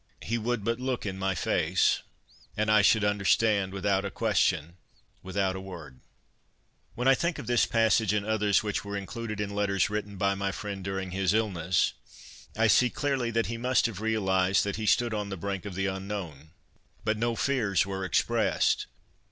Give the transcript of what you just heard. He would but look in my face, and I should understand without a question, without a word." ' 130 CONFESSIONS OF A BOOK LOVER When I think of this passage and others which were included in letters written by my friend during his illness, I see clearly that he must have realized that he stood on the brink of the unknown. But no fears were expressed.